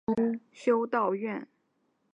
最终导致在那个位置修建修道院。